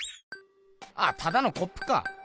ただのコップか。